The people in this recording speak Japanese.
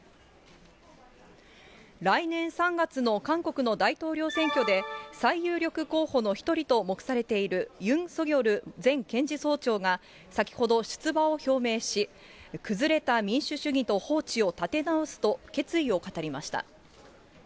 来年３月の韓国の大統領選挙で、最有力候補の一人と目されているユン・ソギョル前検事総長が先ほど出馬を表明し、崩れた民主主義と法治を立て直すと、決意を語りました。